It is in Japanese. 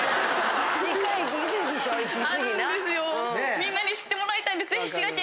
みんなに知ってもらいたいんで。